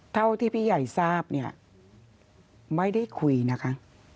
เท่าที่พี่ใหญ่ทราบเนี่ยไม่ได้คุยนะคะ